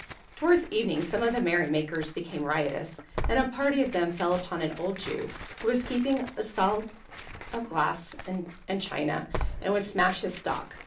Towards evening some of the merrymakers became riotous; and a party of them fell upon an old Jew who was keeping a stall of glass and china, and would smash his stock.